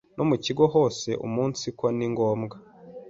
no mu kigo hose umunsiko ni ngombwa